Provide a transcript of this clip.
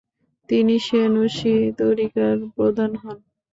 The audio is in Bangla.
তিনি সেনুসি তরিকার প্রধান হন।